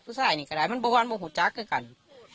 พระไพรนี่ก็ได้มันบ้าวอ้านบ้าหุดจ้าเกี่ยวกัน